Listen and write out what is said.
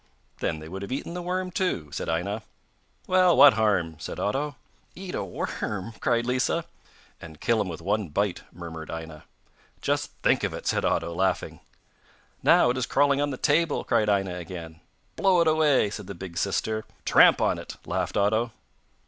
'Then they would have eaten the worm, too,' said Aina. 'Well, what harm?' said Otto. 'Eat a worm!' cried Lisa. 'And kill him with one bite!' murmured Aina. 'Just think of it!' said Otto laughing. 'Now it is crawling on the table,' cried Aina again. 'Blow it away!' said the big sister. 'Tramp on it!' laughed Otto.